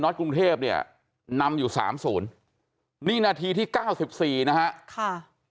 กรุงเทพเนี่ยนำอยู่สามศูนย์นี่นาทีที่เก้าสิบสี่นะฮะค่ะ